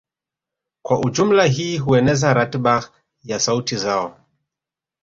Kwa ujumla hii hueneza ratiba ya sauti zao